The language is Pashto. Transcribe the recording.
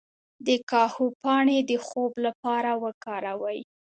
د کاهو پاڼې د خوب لپاره وکاروئ